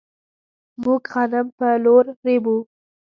موږ غنم په لور ريبو.